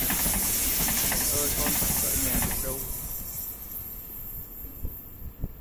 Mẹ ơi con chẳng ở nhà được đâu